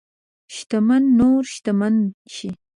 شتمن نور شتمن شي.